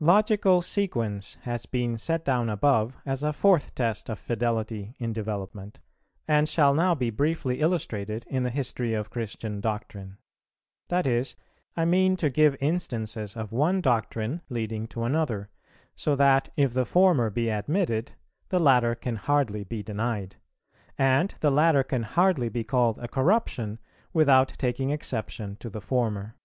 Logical Sequence has been set down above as a fourth test of fidelity in development, and shall now be briefly illustrated in the history of Christian doctrine. That is, I mean to give instances of one doctrine leading to another; so that, if the former be admitted, the latter can hardly be denied, and the latter can hardly be called a corruption without taking exception to the former.